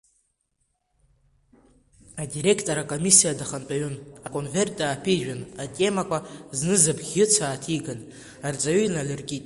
Адиректор акомиссиа дахантәаҩын, аконверт ааԥижәан, атемақәа зныз абӷьыц ааҭиган, арҵаҩы иналиркит.